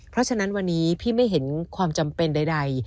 เพราะฉะนั้นวันนี้พี่ไม่เห็นความจำเป็นใด